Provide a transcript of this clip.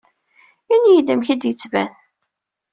Ini-iyi-d amek i d-yettban.